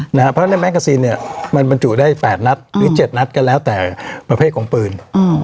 ค่ะนะครับเพราะว่าในแม็กซีนเนี้ยมันบรรจุได้แปดนัดหรือเจ็ดนัดกันแล้วแต่ประเภทของปืนอืม